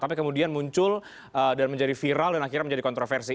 tapi kemudian muncul dan menjadi viral dan akhirnya menjadi kontroversi